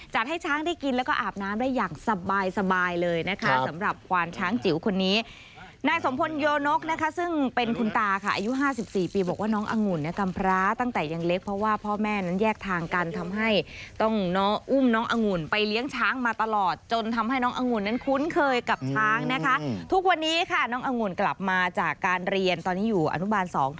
จัดให้ช้างได้กินแล้วก็อาบน้ำได้อย่างสบายเลยนะคะสำหรับ